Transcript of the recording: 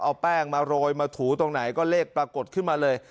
เอาแป้งมาโรยมาถูตรงไหนก็เลขปรากฏขึ้นมาเลย